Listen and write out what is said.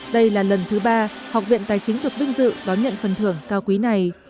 đây là lần thứ ba học viện tài chính được vinh dự đón nhận phần thưởng cao quý này